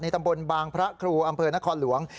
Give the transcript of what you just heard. ตำบลบางพระครูอำเภอนครหลวง